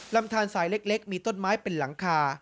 ลำทานสายเล็กมีต้นไม้เป็นหลังคา